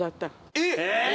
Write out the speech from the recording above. えっ！？